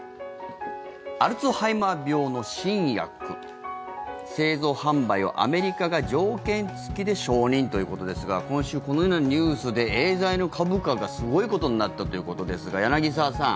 アルツハイマー病の新薬製造・販売をアメリカが条件付きで承認ということですが今週、このようなニュースでエーザイの株価がすごいことになったということですが、柳澤さん。